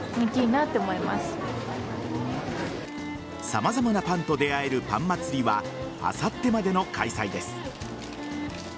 様々なパンと出合えるパン祭はあさってまでの開催です。